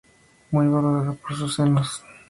Muy valorada por sus senos naturales.